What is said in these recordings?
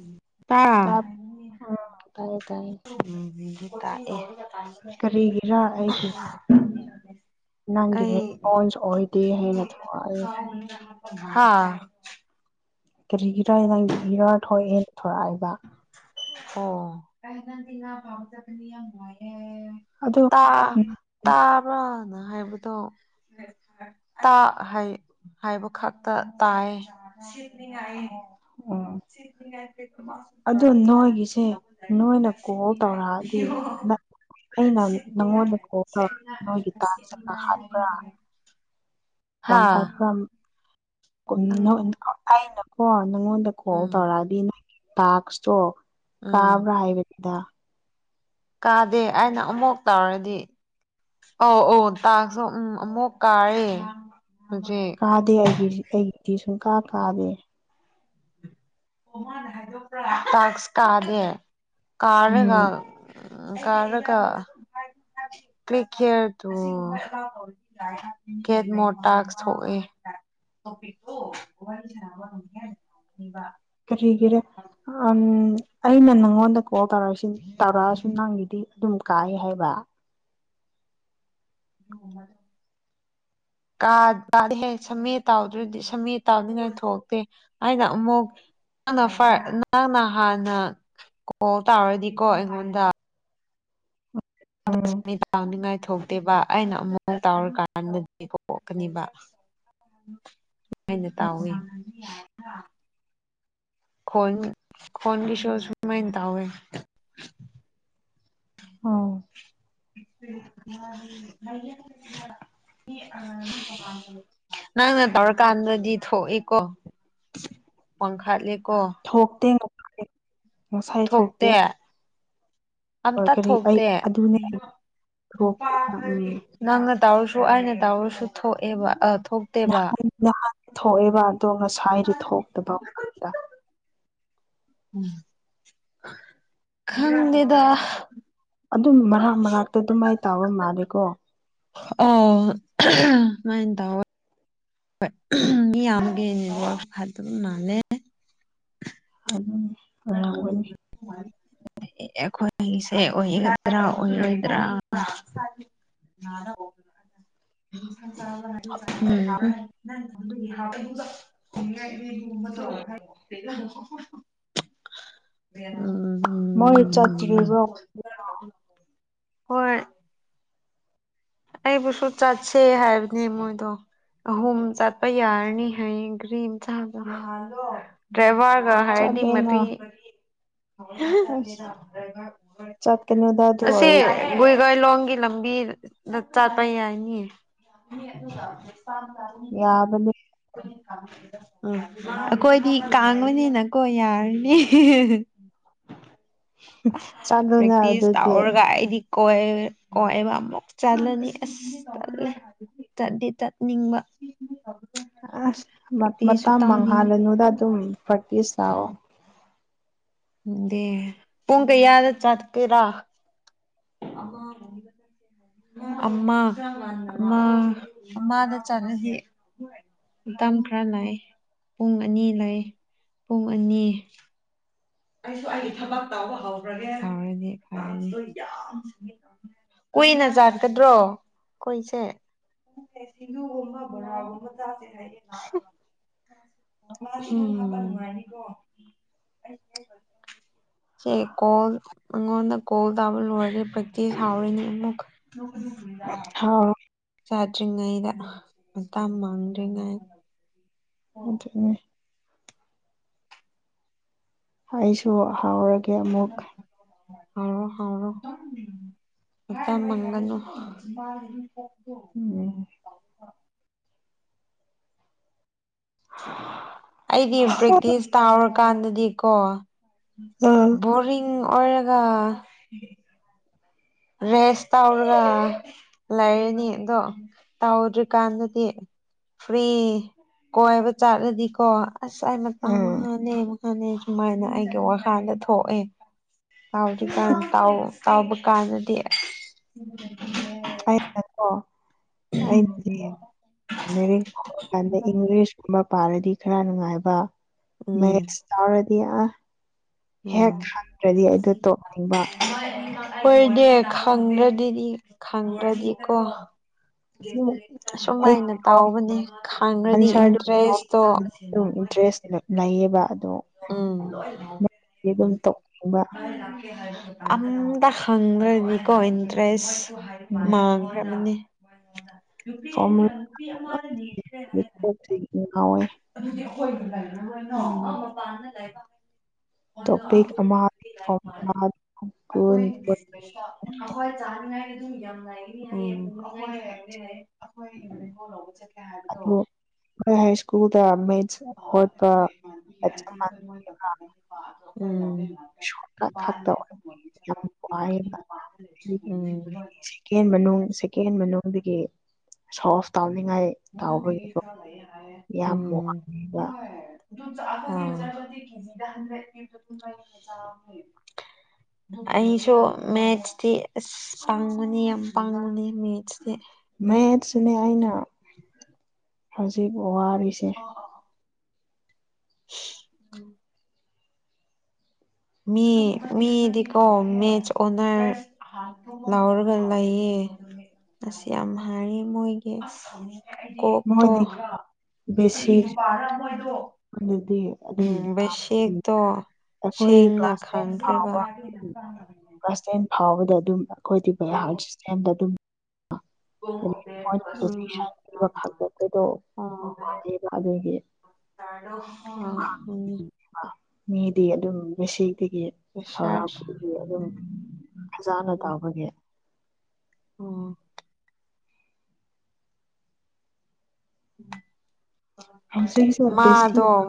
ꯎꯝ ꯇꯥ ꯇꯥꯕ ꯎꯝ ꯇꯥꯏꯌꯦ ꯇꯥꯏꯌꯦ ꯇꯥꯛ ꯀꯔꯤꯒꯤꯔꯥ ꯑꯩꯒꯤ ꯑꯦ ꯅꯪꯒꯤ ꯑꯩ ꯔꯦꯁꯄꯣꯟꯁ ꯑꯣꯏꯗꯦ ꯍꯥꯏꯅ ꯊꯣꯛꯂꯛꯑꯦ ꯍꯥꯥ ꯀꯔꯤꯒꯤꯔꯥ ꯍꯥꯏꯅ ꯅꯪꯒꯤ ꯏꯔꯔ ꯊꯣꯛꯑꯦ ꯊꯣꯔꯛꯑꯦꯕ ꯑꯣ ꯀ꯭ꯔꯥꯏꯗꯩ ꯅꯪꯗꯤ ꯉꯥ ꯐꯥꯕ ꯆꯠꯀꯅꯤ ꯌꯥꯝ ꯅꯨꯡꯉꯥꯏꯔꯦ ꯑꯦ ꯑꯗꯣ ꯇꯥ ꯇꯥꯕ꯭ꯔꯣ ꯅ ꯍꯥꯏꯕꯗꯣ ꯇꯥ ꯍꯥꯏ ꯍꯥꯏꯕ ꯈꯛꯇ ꯇꯥꯏꯌꯦ ꯁꯤꯖꯤꯅ ꯎꯝ ꯑꯗꯨ ꯅꯣꯏꯒꯤꯁꯦ ꯅꯣꯏꯅ ꯀꯣꯜ ꯇꯧꯔꯛꯑꯗꯤ ꯅꯠ ꯑꯩꯅ ꯅꯪꯉꯣꯟꯗ ꯀꯣꯜ ꯇꯧꯔ ꯅꯣꯏꯒꯤ ꯇꯥꯛꯁ ꯆꯠꯂ ꯍꯥꯠꯄ꯭ꯔꯥ ꯍꯥ ꯋꯥꯡ ꯍꯥꯏꯠ ꯐ꯭ꯔꯝ [unintelligible] ꯎꯝ ꯍꯣꯏ ꯅꯪꯉꯣꯟꯗ ꯀꯣꯜ ꯇꯧꯔꯛꯑꯗꯤ ꯅꯪꯒꯤ ꯇꯥꯛꯁꯇꯣ ꯎꯝ ꯀꯥꯕ꯭ꯔꯥ ꯍꯥꯏꯕꯅꯤꯗꯥ ꯀꯥꯗꯦ ꯑꯩꯅ ꯑꯃꯨꯛ ꯇꯧꯔꯗꯤ ꯑꯧ ꯑꯧ ꯇꯥꯛꯁꯨ ꯎꯝ ꯑꯃꯨꯛ ꯀꯥꯔꯦ ꯍꯧꯖꯤꯛ ꯀꯥꯗꯦ ꯑꯩꯒꯤꯁꯤ ꯑꯩꯒꯤ ꯁꯨꯡ ꯀꯥ ꯀꯥꯗꯦ ꯇꯥꯛꯁ ꯀꯥꯗꯦ ꯎꯝ ꯀꯥꯔꯒ ꯎ ꯀꯥꯔꯒ ꯀ꯭ꯂꯤꯛ ꯀꯦꯌꯔꯗꯨ ꯒꯦꯠ ꯃꯣꯔ ꯇꯥꯛꯁ ꯊꯣꯛꯑꯦ꯫ ꯀꯔꯤꯒꯤꯔ ꯑꯝ ꯑꯩꯅ ꯅꯪꯉꯣꯟꯗ ꯀꯣꯜ ꯇꯧꯔꯛꯑꯁꯤ ꯇꯧꯔꯛꯑꯁꯨ ꯅꯪꯒꯤꯗꯤ ꯑꯗꯨꯝ ꯀꯥꯏ ꯍꯥꯏꯕ꯫ ꯥꯍꯦ ꯁꯝꯃꯤꯠ ꯇꯥꯎꯗ꯭ꯔꯗꯤ ꯁꯝꯃꯦꯠ ꯇꯥꯎꯅꯤꯉꯩ ꯊꯣꯛꯇꯦ ꯍꯥꯏꯅ ꯑꯃꯨꯛ ꯅꯪꯅ ꯍꯥꯟꯅ ꯀꯣꯜ ꯇꯥꯎꯔꯗꯤꯀꯣ ꯑꯩꯉꯣꯟꯗ ꯎꯝ [unintelligible] ꯊꯣꯛꯇꯦꯕ ꯑꯩꯅ ꯑꯃꯨꯛ ꯇꯥꯎꯔꯀꯥꯟꯗꯗꯤ ꯊꯣꯛꯀꯅꯤꯕ ꯁꯨꯃꯥꯏꯅ ꯇꯥꯎꯋꯤ ꯈꯣꯟ ꯈꯣꯟꯒꯤꯁꯨ ꯁꯨꯃꯥꯏꯅ ꯇꯥꯎꯋꯦ꯫ ꯎꯝ [unintelligible] ꯅꯪꯅ ꯇꯧꯔꯀꯥꯟꯗꯗꯤ ꯊꯣꯛꯏꯀꯣ ꯋꯥꯡꯈꯥꯠꯂꯤ ꯊꯣꯛꯇꯦ꯫ [unintelligible] ꯉꯁꯥꯏ ꯊꯣꯛꯇꯦ ꯍꯣꯏ ꯑꯝꯇ ꯀꯔꯤ ꯑꯩ ꯊꯣꯛꯇꯦ ꯑꯗꯨꯅꯦ ꯑꯩ ꯊꯣꯛꯇꯦꯕ ꯎꯝ ꯅꯪ ꯫ ꯇꯥꯎꯔꯁꯨ ꯑꯩꯅ ꯇꯥꯎꯔꯁꯨ ꯊꯣꯛꯑꯦꯕ ꯑꯠ [unintelligible] [inaudible] ꯊꯣꯛꯑꯦꯕ ꯑꯗꯣ ꯉꯁꯥꯏꯗꯨ ꯊꯣꯛꯇꯕ ꯀꯥꯟꯗ ꯈꯪ ꯗꯦꯗꯥ! ꯑꯗꯨꯝ ꯃꯔꯛ- ꯃꯔꯛꯇ ꯑꯗꯨ ꯇꯧꯕ ꯃꯥꯂꯦꯀꯣ꯫ ꯎꯝ ꯁꯨꯃꯥꯏꯅ ꯇꯧꯋꯦ꯫ [unintelligible] ꯑꯗꯨꯅꯤ [unintelligible] ꯑꯩꯈꯣꯏꯒꯤꯁꯦ ꯑꯣꯏꯒꯗ꯭ꯔꯥ - ꯑꯣꯏꯔꯣꯏꯗ꯭ꯔꯥ ꯫ ꯎꯝ [unintelligible] [unintelligible] ꯃꯣꯏ ꯎꯝ ꯆꯠꯇ꯭ꯔꯤꯕꯔꯣ ꯍꯧꯖꯤꯛꯐꯥꯎ? ꯍꯣꯏ꯫ ꯑꯩꯕꯨꯁꯨ ꯆꯠꯁꯦ ꯍꯥꯏꯕꯅꯦ ꯃꯣꯏꯗꯣ ꯑꯍꯨꯝ ꯆꯠꯄ ꯌꯥꯔꯅꯤ ꯍꯌꯦꯡ ꯒꯥꯔꯤ ꯗ꯭ꯔꯥꯏꯚꯔ ꯍꯥꯏꯔꯗꯤ ꯆꯠꯂꯣꯅ ꯃꯔꯤ ꯑꯁ ꯆꯠꯀꯅꯨꯗ ꯑꯗꯨ ꯑꯁꯤ ꯑꯣꯏꯔꯗꯤ ꯒꯨꯏꯒꯥꯏ ꯂꯣꯡꯒꯤ ꯂꯝꯕꯤꯗ ꯗ ꯆꯠꯄ ꯌꯥꯏꯒꯅꯤ ꯫ ꯌꯥꯕꯅꯤ꯫ ꯎꯝ ꯑꯩꯈꯣꯏꯗꯤ ꯀꯥꯡꯕꯅꯤꯅꯀꯣ ꯌꯥꯔꯅꯤ꯫ ꯆꯥꯂꯨꯅ ꯄ꯭ꯔꯦꯛꯇꯤꯁ ꯑꯗꯨꯗꯤ ꯇꯧꯔꯒ ꯑꯩꯗꯤ ꯀꯣꯏ ꯀꯣꯏꯕ ꯑꯃꯨꯛ ꯆꯠꯂꯅꯤ ꯑꯁ ꯇꯜꯂꯦ ꯆꯠꯗꯤ ꯆꯠꯅꯤꯡꯕ ꯑꯁ ꯃ ꯄ꯭ꯔꯦꯛꯇꯤꯁꯁꯨ ꯃꯇꯝ ꯇꯧꯅꯤꯡꯉꯤ ꯃꯥꯡꯍꯜꯂꯅꯨꯗ ꯑꯗꯨꯝ ꯄ꯭ꯔꯦꯛꯇꯤꯁ ꯂꯥꯛꯑꯣ ꯗꯦ ꯄꯨꯡ ꯀꯩꯌꯥꯗ ꯆꯠ ꯀꯩꯔꯥ ꯑꯃ [unintelligible] ꯑꯃ ꯑꯃ ꯑꯃꯗ ꯆꯠꯅꯁꯤ ꯇꯝ ꯈꯔ ꯂꯥꯏ ꯄꯨꯡ ꯑꯅꯤ ꯂꯩ ꯄꯨꯡ ꯑꯅꯤ [unintelligible] ꯀꯨꯏꯅ ꯆꯥꯠꯀꯗ꯭ꯔꯣ ꯈꯣꯏꯁꯦ ꯎꯝ ꯁꯦ ꯀꯣꯜ ꯑꯩꯉꯣꯟꯗ ꯀꯣꯜ ꯇꯥꯕ ꯂꯣꯏꯔꯦ ꯄ꯭ꯔꯦꯛꯇꯤꯁ ꯍꯥꯎꯔꯤꯅꯤ ꯑꯃꯨꯛ ꯀ ꯍꯥꯎ ꯆꯥꯠꯗꯔ꯭ꯤꯉꯩꯗ ꯃꯇꯝ ꯃꯥꯡꯗ꯭ꯔꯤꯉꯥꯏ ꯑꯗꯨꯅꯦ ꯍꯥꯏꯁꯨ ꯍꯥꯎꯔꯒꯦ ꯑꯃꯨꯛ ꯍꯧꯔꯣ ꯍꯥꯎꯔꯣ ꯃꯇꯝ ꯃꯥꯉꯟꯅꯨ ꯎꯝ ꯑꯩꯗꯤ ꯄ꯭ꯔꯦꯛꯇꯤꯁ ꯇꯥꯎꯔ ꯀꯥꯟꯗꯗꯤꯀꯣ ꯎꯝ ꯕꯣꯔꯤꯡ ꯑꯣ ꯑꯣꯏꯔꯒ ꯔꯦꯁ ꯇꯧꯔꯒ ꯂꯩꯔꯅꯤ ꯑꯗꯣ ꯇꯧꯗ꯭ꯔꯤꯀꯥꯟꯗꯗꯤ ꯐ꯭ꯔꯤ ꯀꯣꯏꯕ ꯆꯥꯠꯂꯗꯤꯀꯣ ꯑꯁꯥꯏ ꯃꯇꯥꯡ ꯎꯝ ꯃꯉꯥꯅꯦ ꯃꯨꯛ ꯐꯅꯤ ꯁꯨꯃꯥꯏꯅ ꯑꯩꯒꯤ ꯋꯥꯈꯥꯜꯗ ꯊꯣꯛꯑꯦ ꯇꯥꯎꯗꯔ꯭ꯤꯀꯥꯟ ꯇꯥꯎ ꯇꯥꯎꯕ ꯀꯥꯟꯗ ꯗꯤ ꯑꯩ ꯑꯗꯣ ꯎꯝ [unintelligible] ꯏꯪꯂꯤꯁ ꯃ ꯄꯥꯔꯗꯤ ꯈꯔ ꯅꯨꯡꯉꯥꯏꯕ ꯎꯝ ꯃꯦꯇꯁ ꯇꯥꯔ ꯑꯩꯌꯥ ꯎꯝ ꯍꯦꯛ ꯈꯪꯗ꯭ꯔꯗꯤ ꯑꯩꯗꯨ ꯇꯣꯛꯅꯤꯡꯕ ꯍꯣꯏꯅꯦ ꯈꯪꯗ꯭ꯔꯗꯤꯗꯤ ꯈꯪꯗ꯭ꯔꯗꯤꯀꯣ ꯑꯗꯨꯝ ꯑꯁꯨ ꯑꯩ ꯃꯥꯏꯅ ꯇꯥꯎꯕꯅꯦ ꯈꯥꯡꯈ꯭ꯔꯗꯤ ꯑꯟꯁꯔꯗꯨ ꯏꯟꯇꯔꯦꯁꯇꯣ ꯑꯗꯨꯝ ꯏꯟꯇꯔꯦꯁ ꯂꯩꯌꯦꯕ ꯑꯗꯣ ꯎꯝ ꯑꯗꯨꯝ ꯇꯣꯛꯅꯤꯡꯕ ꯑꯝꯇ ꯍꯪꯗ꯭ꯔꯗꯤꯀꯣ ꯏꯟꯇꯔꯦꯁ ꯎꯝ ꯃꯥꯥꯡꯈꯔ꯭ꯃꯅꯦ ꯐꯣꯔꯃꯨꯂꯥ [unintelligible] [unintelligible] ꯑꯣꯏ [unintelligible] ꯇꯣꯄꯤꯛ ꯑꯃꯒꯤ ꯐꯣꯔꯃꯨꯂꯥ ꯀꯨꯟ ꯑꯩꯈꯣꯏ ꯆꯥꯅꯤꯡꯉꯥꯏ ꯌꯥꯝ ꯑꯗꯣ ꯍꯏ ꯁꯀꯨꯜ ꯑꯩꯈꯣꯏ ꯏꯃꯥꯟꯅꯕꯒꯤ ꯆꯞ ꯑꯇꯤ ꯃꯥꯟꯅꯩ ꯑꯩꯈꯣꯏ ꯃꯣꯏꯕꯖꯥꯔ ꯎꯝ ꯁꯣꯔꯠꯀꯠ ꯈꯛꯇ ꯑꯣꯏ ꯌꯥꯝ ꯋꯥꯏꯑꯕ ꯁꯦꯀꯦꯟ ꯃꯅꯨꯡ ꯁꯦꯀꯦꯟ ꯃꯅꯨꯡꯗꯒꯤ ꯁꯁꯇ [unintelligible] ꯌꯥꯝ ꯋꯥꯕ ꯑꯩꯁꯨ ꯃꯦꯠꯁꯇꯤ ꯑꯁ ꯄꯥꯡꯉꯅꯤ ꯌꯥꯝ ꯄꯥꯡꯉꯨꯅꯤ ꯃꯦꯠꯁꯇꯤ ꯃ ꯁꯅ ꯑꯥꯏꯅ [unintelligible] ꯍꯧꯖꯤꯕꯨ ꯋꯥꯔꯤꯁꯦ ꯎꯝ ꯃꯤ ꯃꯤꯗꯤꯀꯣ ꯃꯦꯠꯁ ꯑꯣꯅꯔ ꯂꯧꯔꯒ ꯂꯩꯌꯦ ꯑꯁꯤ ꯌꯥꯝ ꯍꯥꯏꯔ ꯃꯣꯏꯒꯤ ꯀꯣꯛꯣ ꯃꯣꯏꯗꯤ ꯋꯥꯔ ꯑꯗꯨꯗꯗꯤ ꯎꯝ ꯕꯦꯁꯦꯛꯇꯣ ꯑꯩꯈꯣꯏ ꯁꯦꯡꯅ ꯀ꯭ꯂꯥꯁ ꯇꯦꯟ ꯈꯥꯡꯈ꯭ꯔꯦꯕ ꯐꯥꯎꯕ ꯀ꯭ꯂꯥꯁ ꯇꯦꯟ ꯐꯥꯎꯕꯗ ꯑꯗꯨꯝ ꯑꯩꯈꯣꯏꯗꯤꯕꯍꯔꯠ ꯁꯤꯁꯇꯦꯝꯗ ꯑꯗꯨꯝ ꯃꯣꯏꯅꯦꯛꯁꯟ ꯎꯝ ꯄꯤꯕ ꯈꯄꯗꯣ ꯋꯥꯌꯦꯕ ꯑꯗꯨꯒꯤ ꯎꯝ ꯃꯤꯗꯤ ꯑꯗꯨꯝ ꯁ ꯑꯗꯒꯤ ꯔꯤꯁꯥꯔꯁ ꯍꯔꯥꯎꯄꯒꯤ ꯑꯗꯨꯝ ꯐꯖꯅ ꯇꯥꯎꯕꯒꯤ ꯑꯣ ꯍꯧꯖꯤꯛꯁꯨ [unintelligible] ꯕꯦꯁꯤꯛ ꯃꯥꯗꯣꯝ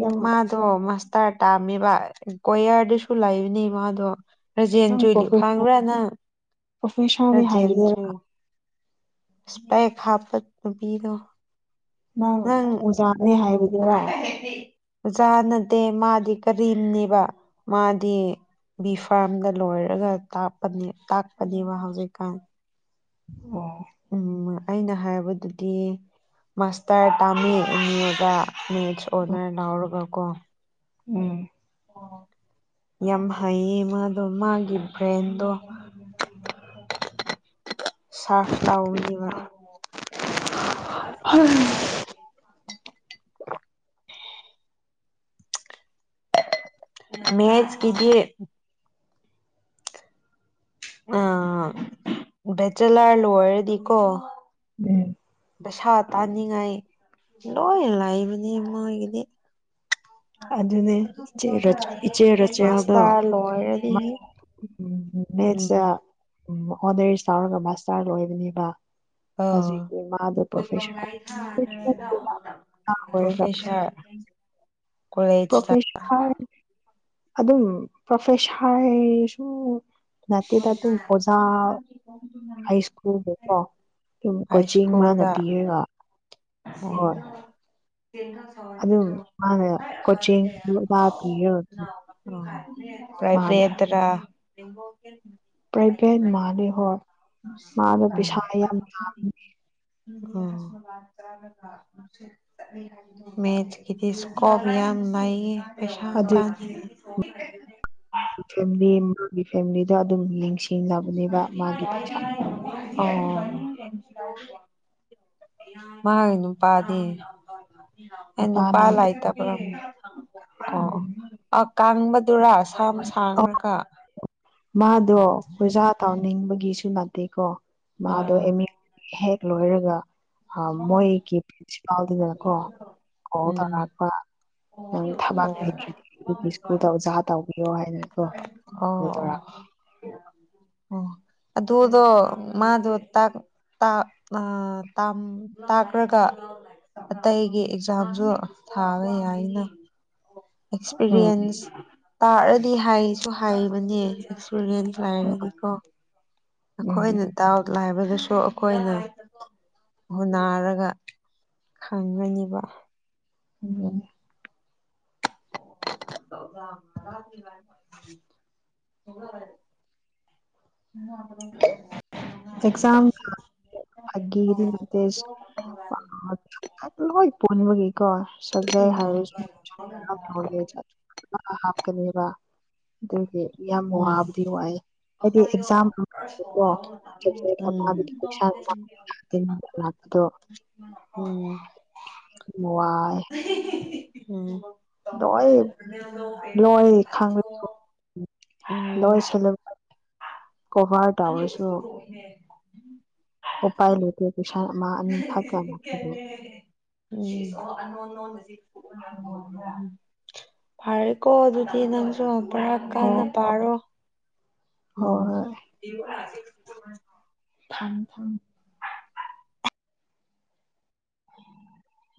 ꯅꯪ ꯃꯥꯗꯣꯝ ꯑꯁꯇꯥ ꯇꯥꯝꯃꯤꯕ ꯀꯣꯌꯥꯔꯗꯁꯨ ꯂꯩꯕꯅꯤ ꯃꯥꯗꯣ ꯅꯪ ꯔꯥꯖꯦꯟꯗꯨꯗꯤ ꯄ꯭ꯔꯣꯐꯦꯁ ꯈꯥꯡꯕ꯭ꯔꯥꯅꯪ ꯄ꯭ꯔꯣꯐꯦꯁꯔꯅꯤ ꯍꯥꯏꯕꯗꯨꯔ ꯔꯥꯖꯦꯟꯗꯨ ꯏꯁꯄꯦꯛ ꯍꯥꯞꯄ ꯅꯨꯄꯤꯗꯣ ꯅꯪ ꯑꯣꯖꯥꯅꯦ ꯍꯥꯏꯕꯗꯨꯔ ꯑꯣꯖꯥ ꯅꯠꯇꯦ ꯃꯥꯗꯤ ꯀꯔꯤꯝꯅꯦꯕ ꯃꯥꯗꯤ ꯕꯤ ꯐꯥꯔꯝꯗ ꯂꯣꯏꯔꯒ ꯇꯥꯛꯄꯅꯦ ꯇꯥꯛꯄꯅꯦꯕ ꯍꯧꯖꯤꯛꯀꯥꯟ ꯎꯝ ꯑꯩꯅ ꯍꯥꯏꯕꯗꯨꯗꯤ ꯃꯥꯁꯇꯔ ꯇꯥꯃꯤ ꯎꯅꯤꯡꯉꯒ ꯃꯦꯊꯁ ꯑꯣꯅꯔꯁ ꯂꯧꯔꯒ ꯀꯣ ꯎꯝ ꯌꯥꯝ ꯍꯩꯌꯦ ꯃꯥꯗꯣ ꯃꯥꯒꯤ ꯕ꯭ꯔꯦꯟꯗꯣ ꯁꯥꯔꯐ ꯇꯧꯅꯤꯕ ꯃꯦꯊꯁ ꯀꯤꯗꯤ ꯑ ꯕꯦꯆꯂꯥꯔ ꯂꯣꯏꯔꯗꯤꯀꯣ ꯎꯝ ꯄꯩꯁꯥ ꯇꯥꯅꯤꯡꯉꯥꯏ ꯂꯣꯏ ꯂꯩꯥꯕꯅꯤ ꯃꯣꯏꯒꯤꯗꯤ ꯑꯗꯨꯅꯦ ꯏꯆꯦ ꯏꯆꯦ ꯔꯖꯤꯌꯥꯗꯣ ꯃꯥꯁꯇꯔ ꯂꯣꯏꯔꯗꯤ ꯎꯝ ꯃꯦꯇꯁꯇ ꯎꯝ ꯑꯣꯅꯔꯁ ꯇꯧꯔꯒ ꯃꯥꯁꯇꯔ ꯂꯣꯏꯕꯅꯦꯕ ꯍꯧꯖꯤꯛꯇꯤ ꯃꯥꯗꯣ ꯄ꯭ꯔꯣꯐꯦꯁꯔ ꯄ꯭ꯔꯣꯐꯦꯁꯔ ꯑꯣꯏꯔꯒ ꯄꯔꯣꯐꯦꯁꯔ ꯄ꯭ꯔꯣꯐꯦꯁꯔ ꯑꯗꯨꯝ ꯄ꯭ꯔꯣꯐꯦꯁꯔꯁꯨ ꯅꯠꯇꯦꯗ ꯑꯗꯨꯝ ꯑꯣꯖꯥ ꯍꯥꯏ ꯁ꯭ꯀꯨꯜꯗꯀꯣ ꯑꯗꯨꯝ ꯍꯥꯏ ꯀꯣꯆꯤꯡ ꯃꯥꯅ ꯁ꯭ꯀꯨꯜꯗ ꯄꯤꯔꯒ ꯎꯝ ꯍꯣꯏ ꯑꯗꯨꯝ ꯃꯥꯅ ꯀꯣꯆꯤꯡ ꯑꯣꯖꯥ ꯄꯤꯔꯒ ꯑꯗꯨꯝ ꯎꯝ ꯃꯥꯅ ꯄꯔꯥꯏꯚꯦꯠꯇꯔ ꯏꯣ ꯀ [unintelligible] ꯄ꯭ꯔꯥꯏꯚꯦꯠ ꯃꯥꯅꯦ ꯍꯣꯏ ꯃꯥꯗꯣ ꯄꯩꯁꯥ ꯌꯥꯝ ꯌꯥꯝꯕꯅꯤ ꯑꯣ ꯃꯦꯊꯁ ꯀꯤꯗꯤ ꯏꯁꯀꯣꯞ ꯌꯥꯝ ꯂꯩꯌꯦ ꯄꯩꯁꯥ ꯑꯗꯨ ꯇꯥꯟ ꯀ ꯐꯦꯃꯤꯂꯤꯗ ꯑꯗꯨꯝ ꯌꯦꯡꯁꯤ ꯑꯣ ꯃꯥꯒꯤ ꯅꯨꯄꯥꯗꯤ ꯅꯨꯄꯥ ꯂꯩꯇꯕꯔ ꯑꯣ ꯎꯝ ꯀꯥꯡꯕꯗꯨꯔꯥ ꯁꯝ ꯁꯥꯡꯈꯔꯒ ꯑꯗꯣ ꯑꯣꯖꯥ ꯇꯧꯅꯤꯡꯕꯒꯤꯁꯨ ꯅꯠꯇꯦꯀꯣ ꯑꯣ ꯃꯥꯗꯣ ꯑꯦꯃꯤꯛ ꯍꯦꯛ ꯂꯣꯏꯔꯒ ꯍ ꯃꯣꯏꯒꯤ ꯄ꯭ꯔꯤꯟꯁꯤꯄꯥꯜꯗꯨꯅꯀꯣ ꯀꯣꯜ ꯎꯝ ꯇꯧꯔꯛꯄ ꯅꯪ ꯊꯕꯥꯛ ꯑꯣ ꯀꯀꯨꯗ ꯑꯣꯖꯥ ꯇꯧꯕꯤꯌꯣ ꯑꯣ ꯍꯥꯏꯗꯅꯀꯣꯗꯔ [unintelligible] ꯑꯣ ꯑꯗꯨꯗꯣ ꯃꯥꯗꯣ ꯇꯥꯠ ꯇ ꯑ ꯇꯥꯝ ꯇꯥꯈ꯭ꯔꯒ ꯑꯇꯩꯒꯤ ꯑꯦꯛꯖꯥꯝꯁꯨ ꯊꯥꯕ ꯌꯥꯏꯅ ꯎꯝ ꯑꯦꯛꯁꯄꯤꯔꯤꯌꯦꯟꯁ ꯇꯥꯔꯗꯤ ꯍꯥꯏꯁꯨ ꯍꯥꯏꯕꯅꯦ ꯑꯁ ꯏꯁꯨꯔꯦꯟ ꯂꯥꯏꯔꯗꯤꯀꯣ ꯎꯝ ꯅꯈꯣꯏꯅ ꯗꯥꯎꯠ ꯂꯕ [unintelligible] ꯑꯗꯨꯁꯨ ꯑꯩꯈꯣꯏꯅ ꯍꯨꯟꯅꯥꯔꯒ ꯈꯪꯒꯅꯤꯕ ꯎꯝ [unintelligible] ꯑꯦꯛꯖꯥꯝ ꯑꯟꯏꯟꯇꯦꯜꯂꯤꯖꯦꯕꯜ [unintelligible] [inaudible] ꯀꯣ ꯁꯞꯖꯦꯛ ꯎꯝ ꯎꯝ ꯍꯥꯏꯔꯁꯨ [unintelligible] ꯍꯥꯞꯀꯅꯦꯕ ꯑꯗꯨꯒꯤ ꯌꯥꯝ ꯋꯥꯕꯨꯗꯤ ꯋꯥꯏ ꯍꯥꯏꯗꯤ ꯑꯩꯈꯣꯏꯗꯣ ꯑꯦꯛꯖꯥꯝꯀꯣ ꯐꯥꯔꯁ ꯀꯣꯜ ꯇꯧꯕ ꯃꯇꯝꯗꯗꯤ ꯑꯗꯨꯝ ꯅꯣꯛꯄꯅꯦ ꯎꯝ [unintelligible] ꯎꯝ ꯑꯟꯏꯟꯇꯦꯜꯂꯤꯖꯦꯕꯜ [unintelligible] ꯂꯣꯏꯁꯜꯂ ꯀꯣꯚꯥꯔ [unintelligible] ꯑꯟꯏꯟꯇꯦꯜꯂꯤꯖꯦꯕꯜ [unintelligible] ꯑꯟꯑꯣꯗꯤꯕꯜ ꯎꯄꯥꯏ ꯂꯩꯇꯦ ꯄꯩꯁꯥ ꯑꯃ ꯑꯅꯤ ꯈꯛꯇ ꯂꯥꯛꯄꯗꯣ ꯎꯝ ꯐꯔꯦꯀꯣ ꯑꯗꯨꯗꯤ ꯅꯪꯁꯨ [unintelligible] ꯈꯥꯔꯥ ꯍꯣ ꯀꯟꯅ ꯄꯥꯔꯣ ꯍꯣꯏ ꯎꯝ ꯍꯣꯏ [unintelligible] ꯑꯟꯑꯣꯗꯤꯕꯜ [unintelligible] ꯊꯝ ꯊꯝ ꯑꯟꯏꯟ [unintelligible]